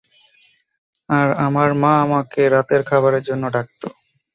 আর আমার মা আমাকে রাতের খাবারের জন্য ডাকতো।